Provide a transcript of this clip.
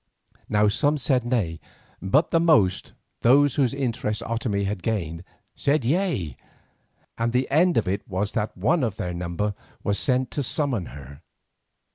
Now some said nay, but the most, those whose interest Otomie had gained, said yea, and the end of it was that one of their number was sent to summon her.